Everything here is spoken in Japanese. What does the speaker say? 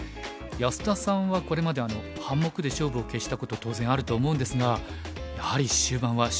安田さんはこれまで半目で勝負を決したこと当然あると思うんですがやはり終盤は神経使うんでしょうか？